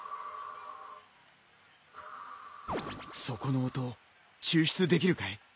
そこの音抽出できるかい？